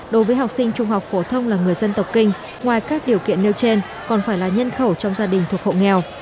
đối với học sinh trung học phổ thông là người dân tộc kinh ngoài các điều kiện nêu trên còn phải là nhân khẩu trong gia đình thuộc hộ nghèo